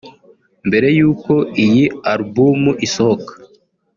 Mbere y’uko iyi album isohoka